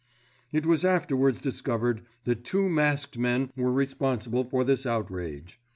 "It was afterwards discovered that two masked men were responsible for this outrage.